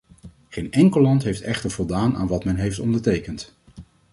Geen enkel land heeft echter voldaan aan wat men heeft ondertekend.